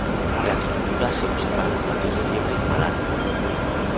La tintura se usa para combatir fiebre y malaria.